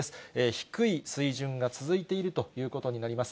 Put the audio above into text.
低い水準が続いているということになります。